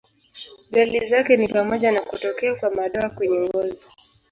Dalili zake ni pamoja na kutokea kwa madoa kwenye ngozi.